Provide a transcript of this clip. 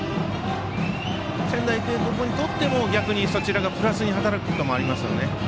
仙台育英高校にとっても逆にそちらがプラスに働くこともありますからね。